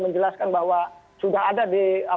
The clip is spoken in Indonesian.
menjelaskan bahwa sudah ada di